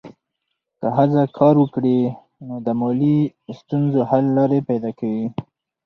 که ښځه کار وکړي، نو د مالي ستونزو حل لارې پیدا کوي.